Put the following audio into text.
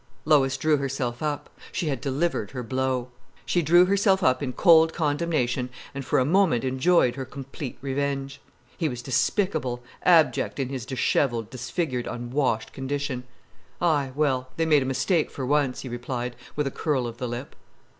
Lois drew herself up. She had delivered her blow. She drew herself up in cold condemnation and for a moment enjoyed her complete revenge. He was despicable, abject in his dishevelled, disfigured, unwashed condition. "Aye, well, they made a mistake for once," he replied, with a curl of the lip.